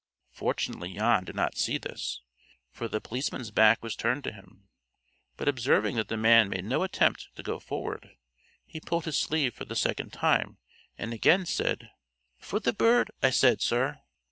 Fortunately Jan did not see this, for the policeman's back was turned to him; but observing that the man made no attempt to go forward, he pulled his sleeve for the second time, and again said: "For the bird, I said, sir."